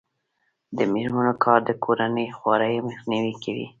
د میرمنو کار د کورنۍ خوارۍ مخنیوی کوي.